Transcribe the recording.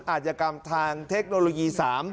อาจกรรมทางเทคโนโลยี๓